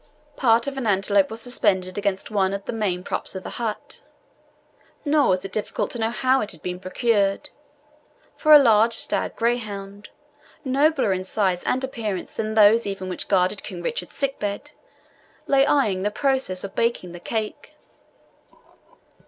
Part of an antelope was suspended against one of the main props of the hut. Nor was it difficult to know how it had been procured; for a large stag greyhound, nobler in size and appearance than those even which guarded King Richard's sick bed, lay eyeing the process of baking the cake.